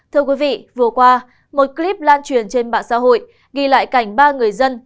thưa quý vị vừa qua một clip lan truyền trên mạng xã hội ghi lại cảnh ba người dân